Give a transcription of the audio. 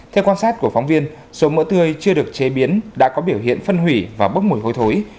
theo quan sát của phóng viên số mỡ tươi chưa được chế biến đã có biểu hiện phân hủy và bốc mùi hôi thối